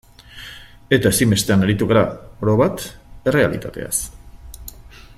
Eta ezinbestean aritu gara, orobat, errealitateaz.